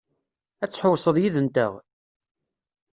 Ad tḥewwseḍ yid-nteɣ?